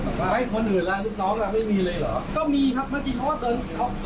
ก็มีความอึทย์รู้จักนะอย่างก็เป็นแนวอันนั้นเนี่ย